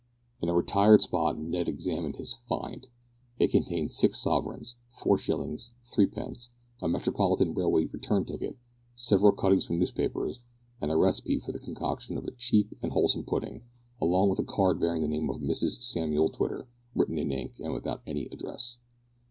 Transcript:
In a retired spot Ned examined his "find." It contained six sovereigns, four shillings, threepence, a metropolitan railway return ticket, several cuttings from newspapers, and a recipe for the concoction of a cheap and wholesome pudding, along with a card bearing the name of Mrs Samuel Twitter, written in ink and without any address.